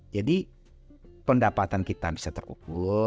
jadi pendapatan kita bisa terukur